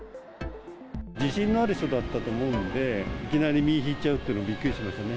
自信のある人だったと思うんで、いきなり身引いちゃうっていうのはびっくりしましたね。